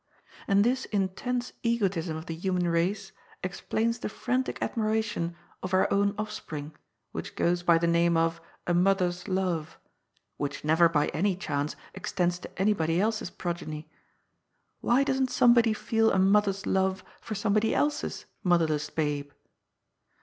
And this intense egotism of the human race explains the frantic admiration of our own offspring which goes by the name of " a mother's love," and which never by any chance extends to anybody else's progeny. Why doesn't somebody feel a mother's love for somebody else's mother less babe